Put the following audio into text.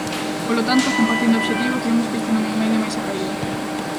Polo tanto, compartindo obxectivo, cremos que este non é o medio máis acaído.